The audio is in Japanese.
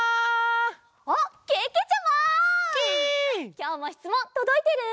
きょうもしつもんとどいてる？